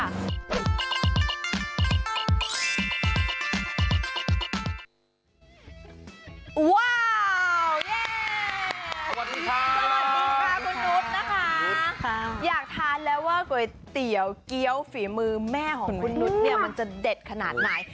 สวัสดีค่ะสวัสดีค่ะคุณนุษย์นะคะอยากทานแล้วว่าก๋วยเตี๋ยวเกี้ยวฝีมือแม่ของคุณนุษย์เนี่ยมันจะเด็ดขนาดไหน